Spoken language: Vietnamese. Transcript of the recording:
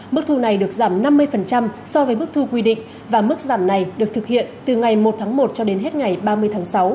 mức thu này được giảm năm mươi so với mức thu quy định và mức giảm này được thực hiện từ ngày một tháng một cho đến hết ngày ba mươi tháng sáu